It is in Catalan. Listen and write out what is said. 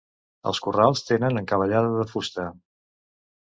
Els corrals tenen encavallada de fusta.